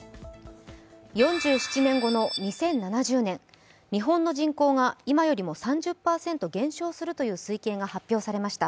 ４７年後の２０７０年、日本の人口が今よりも３０％減少するという推計が発表されました。